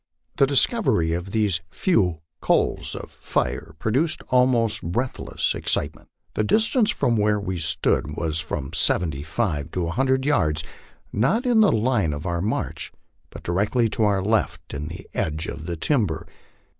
The discov ery of these few coals of fire produced almost breathless excitement. The dis tance from where we stood was from seventy five to a hundred yards, not in the line of our march, but directly to our left, in the edge of the timber.